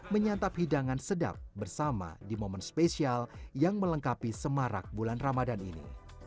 menyantap hidangan sedap bersama di momen spesial yang melengkapi semarak bulan ramadan ini